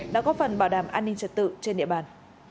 đã góp phần bảo đảm an ninh trật tự trên địa bàn